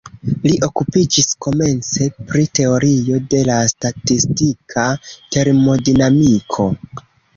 Li okupiĝis komence pri teorio de la statistika termodinamiko.